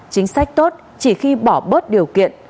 chính sách tốt chỉ khi bỏ bớt điều kiện